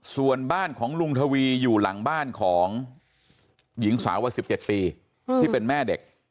ส่วนบ้านของลุงทวีอยู่หลังบ้านของหญิงสาววัย๑๗ปีที่เป็นแม่เด็ก